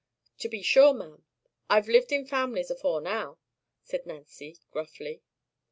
"To be sure, ma'am. I've lived in families afore now," said Nancy, gruffly.